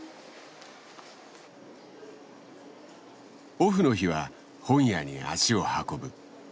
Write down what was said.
オフの日は本屋に足を運ぶ。